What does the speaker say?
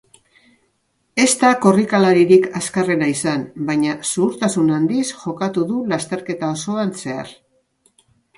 Ez da korrikalaririk azkarrena izan baina zuhurtasun handiz jokatu du lasterketa osoan zehar.